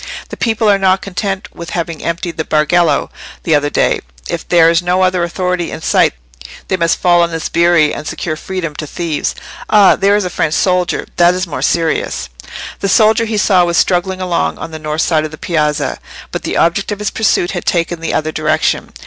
"The people are not content with having emptied the Bargello the other day. If there is no other authority in sight they must fall on the sbirri and secure freedom to thieves. Ah! there is a French soldier: that is more serious." The soldier he saw was struggling along on the north side of the piazza, but the object of his pursuit had taken the other direction.